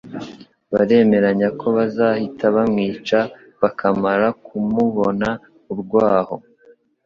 Bemeranya ko bazahita bamwica bakimara kumubona urwaho.